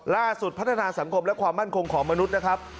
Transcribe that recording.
ล่าสุดพัฒนาสังคมและความมั่นคงของมนุษย์นะครับ